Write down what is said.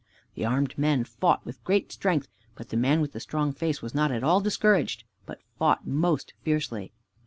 The armed men fought with great strength, but the man with the strong face was not at all discouraged, but fought most fiercely.